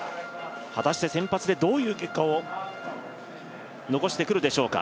果たして先発でどういう結果を残してくるでしょうか。